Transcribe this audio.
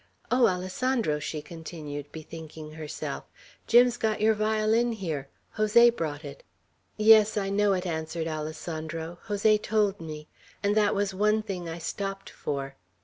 Oh, Alessandro," she continued, bethinking herself, "Jim's got your violin here; Jose brought it." "Yes, I know it," answered Alessandro. "Jose told me; and that was one thing I stopped for."